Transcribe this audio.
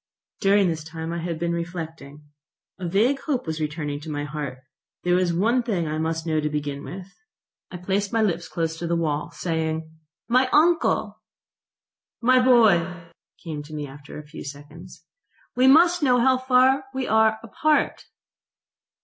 .... During this time I had been reflecting. A vague hope was returning to my heart. There was one thing I must know to begin with. I placed my lips close to the wall, saying: "My uncle!" .... "My boy!" came to me after a few seconds. .... "We must know how far we are apart."